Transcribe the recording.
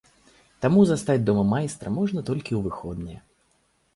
Таму застаць дома майстра можна толькі ў выходныя.